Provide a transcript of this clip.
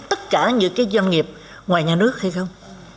tất cả những cái doanh nghiệp ngoài nhà nước hay không